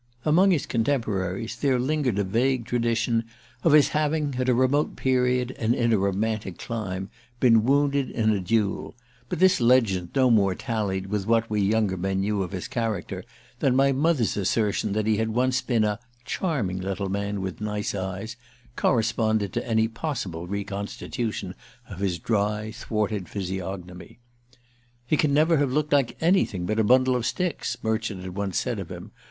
Among his contemporaries there lingered a vague tradition of his having, at a remote period, and in a romantic clime, been wounded in a duel; but this legend no more tallied with what we younger men knew of his character than my mother's assertion that he had once been "a charming little man with nice eyes" corresponded to any possible reconstitution of his dry thwarted physiognomy. "He never can have looked like anything but a bundle of sticks," Murchard had once said of him.